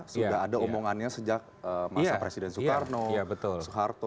sudah ada omongannya sejak masa presiden soekarno